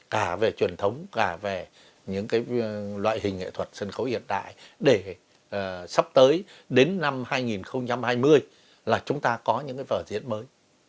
cả về truyền thống cả về những loại hình nghệ thuật sân khấu hiện đại để sắp tới đến năm hai nghìn hai mươi là chúng ta có những vở diễn mới